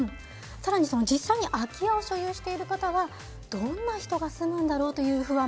さらに実際に空き家を所有している方はどんな人が住むんだろう？という不安。